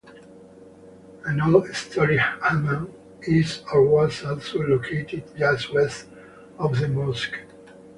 An old historic hammam is (or was) also located just west of the mosque.